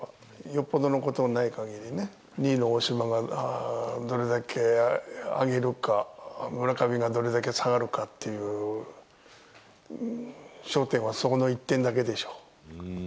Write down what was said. よっぽどのことがないかぎりね、２位の大島がどれだけ上げるか、村上がどれだけ下がるかっていう、焦点はそこの一点だけでしょう。